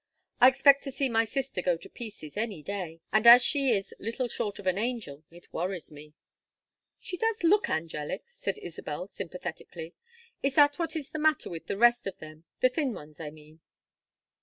I expect to see my sister go to pieces any day, and as she is little short of an angel it worries me." "She does look angelic," said Isabel, sympathetically. "Is that what is the matter with the rest of them? the thin ones, I mean?"